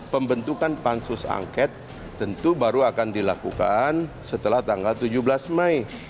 pembentukan pansus angket tentu baru akan dilakukan setelah tanggal tujuh belas mei